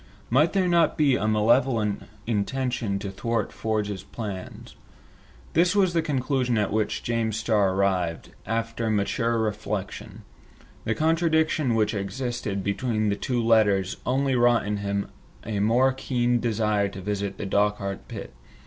Might there not be rather a malevolent intention to thwart Ford's plans? This was the conclusion at which James Starr arrived, after mature reflection. The contradiction which existed between the two letters only wrought in him a more keen desire to visit the Dochart pit.